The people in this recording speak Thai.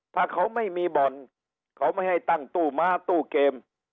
ถ้าเขาไม่มีบ่อนเขาไม่ให้ตั้งตู้ม้าตู้เกม